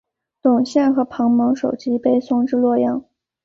董宪和庞萌首级被送至洛阳。